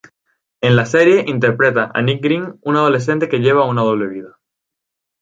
En la serie interpreta a "Nick Green", un adolescente que lleva una doble vida.